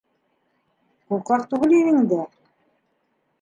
Ҡурҡаҡ түгел инең дә...